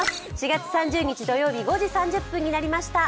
４月３０日土曜日５時３０分になりました。